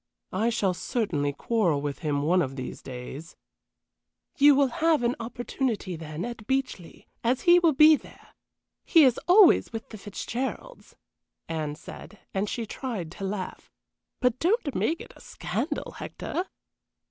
I shall certainly quarrel with him one of these days." "You will have an opportunity, then, at Beechleigh, as he will be there. He is always with the Fitzgeralds," Anne said, and she tried to laugh. "But don't make a scandal, Hector."